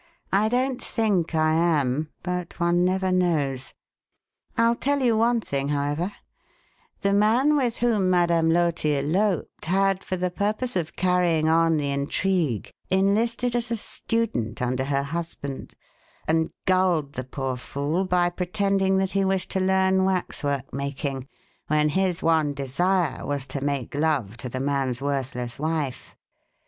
I don't think I am, but one never knows. I'll tell you one thing, however: The man with whom Madame Loti eloped had, for the purpose of carrying on the intrigue, enlisted as a student under her husband, and gulled the poor fool by pretending that he wished to learn waxwork making, when his one desire was to make love to the man's worthless wife.